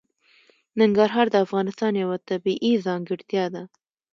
ننګرهار د افغانستان یوه طبیعي ځانګړتیا ده.